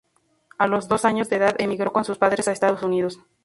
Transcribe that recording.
A los dos años de edad emigró con sus padres a Estados Unidos.